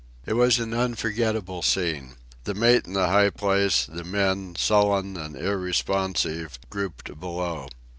It was an unforgettable scene—the mate in the high place, the men, sullen and irresponsive, grouped beneath.